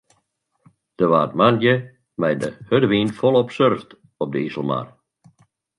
Der waard moandei mei de hurde wyn folop surft op de Iselmar.